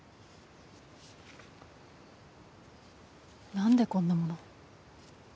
何でこんなもの。